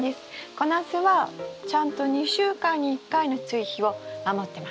小ナスはちゃんと２週間に１回の追肥を守ってます。